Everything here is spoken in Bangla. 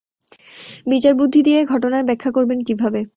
বিচারবুদ্ধি দিয়ে এ ঘটনার ব্যাখ্যা করবেন কীভাবে?